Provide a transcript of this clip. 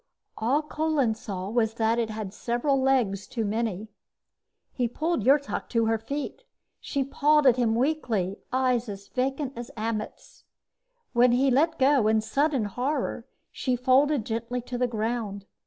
All Kolin saw was that it had several legs too many. He pulled Yrtok to her feet. She pawed at him weakly, eyes as vacant as Ammet's. When he let go in sudden horror, she folded gently to the ground.